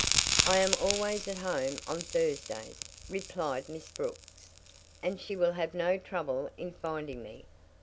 "I am always at home on Thursdays," replied Miss Brooks, "and she will have no trouble in finding me.